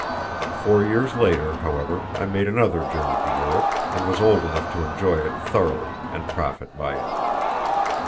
Four years later, however, I made another journey to Europe, and was old enough to enjoy it thoroughly and profit by it.